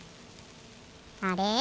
あれ？